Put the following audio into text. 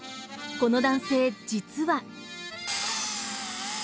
この男性実は。